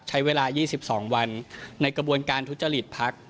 ใช้เวลา๒๒วันในกระบวนการทุจริตพัก